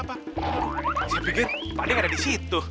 aduh saya pikir pak dek ada di situ